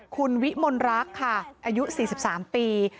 คุณวิมลรักค่ะอายุ๔๓ปี